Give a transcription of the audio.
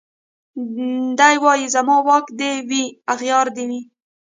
دی وايي زما واک دي وي اغيار دي وي